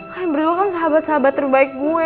kalian berdua kan sahabat sahabat terbaik gue